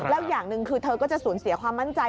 แล้วอย่างหนึ่งคือเธอก็จะสูญเสียความมั่นใจ